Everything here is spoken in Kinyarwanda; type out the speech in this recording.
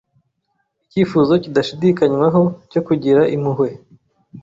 Icyifuzo kidashidikanywaho cyo kugira impuhwe